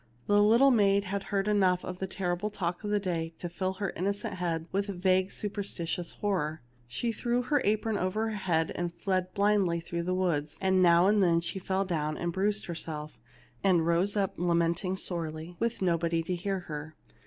The little maid had heard enough of the terrible talk of the day to fill her innocent head with vague superstitious horror. She threw her apron over her head and fled blindly through the woods, and now and then she fell down and bruised herself, and rose up lamenting sorely, with nobody to hear her.